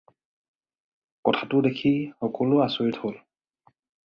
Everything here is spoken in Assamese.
কথাটো দেখি সকলো আচৰিত হ'ল।